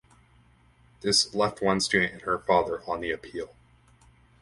This left one student and her father on the appeal.